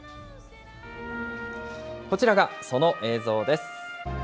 こちらがその映像です。